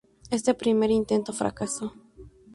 Este primer intento fracasó.